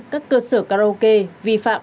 các cơ sở karaoke vi phạm